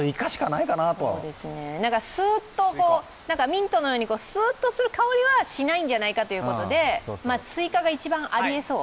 すーっと、ミントのようにすーっとする香りはしないんじゃないかということでスイカが一番ありえそう？